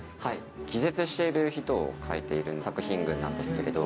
気絶している人を描いている作品群なんですけれど。